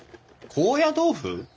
高野豆腐？